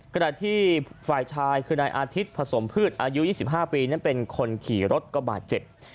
ขณะที่ฝ่ายชายคือนายอาทิตย์ผสมพืชอายุ๒๕ปีนั้นเป็นคนขี่รถก็บาดเจ็บ